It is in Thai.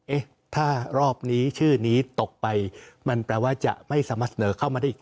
เอ๊ะถ้ารอบนี้ชื่อนี้ตกไปมันแปลว่าจะไม่สามารถเสนอเข้ามาได้อีก